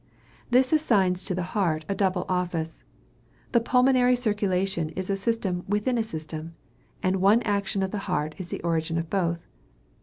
This assigns to the heart a double office. The pulmonary circulation is a system within a system; and one action of the heart is the origin of both.